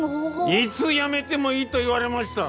「いつ辞めてもいい」と言われました。